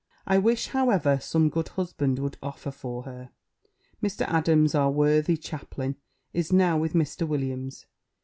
I wish, however, some good husband would offer for her. Mr. Adams, our worthy chaplain, is now with Mr. Williams.